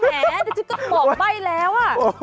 เนี่ยพวกนี้ก็แหมดิฉันก็บอกใบ้แล้ว